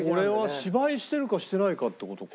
芝居してるかしてないかって事か。